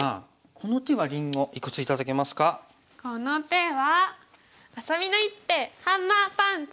この手はあさみの一手ハンマーパンチ！